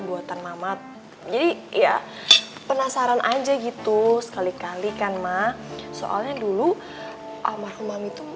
buatan mamat jadi ya penasaran aja gitu sekali kali kan mak soalnya dulu almarhum itu